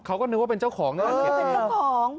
เขาก็นึกว่าเป็นเจ้าของงานเก็บเป็นเจ้าของ